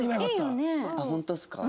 本当ですか？